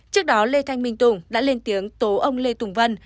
trước đó lê thanh minh tùng đã lên tiếng tố ông lê tùng vân